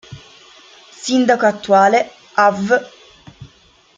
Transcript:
Sindaco attuale: avv.